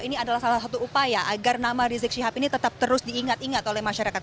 ini adalah salah satu upaya agar nama rizik syihab ini tetap terus diingat ingat oleh masyarakat